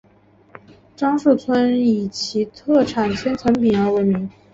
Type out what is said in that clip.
鄣城村以其特产千层饼而闻名。